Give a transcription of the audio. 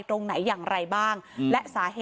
ต้องรอผลพิสูจน์จากแพทย์ก่อนนะคะ